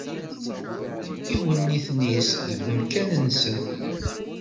Iwenniten-is deg wemkan-nsen.